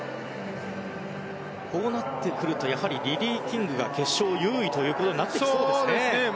こうなってくるとリリー・キングが決勝優位となってきそうですね。